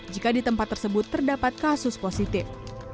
jika di tempat tersebut terdapat kasus positif